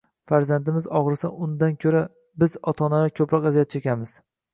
Farzandimiz og’risa, undan ko‘ra, biz – ota-onalar ko‘proq aziyat chekamiz.